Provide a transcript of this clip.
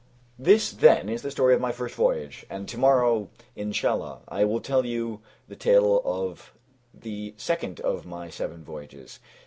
This, then, is the story of my first voyage, and to morrow, Inshallah! I will tell you the tale of the second of my seven voyages.